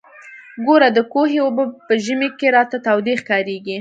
ګوره د کوهي اوبه په ژمي کښې راته تودې ښکارېږي.